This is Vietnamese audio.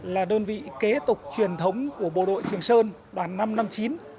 là đơn vị kế tục truyền thống của bộ đội trường sơn đoàn năm trăm năm mươi chín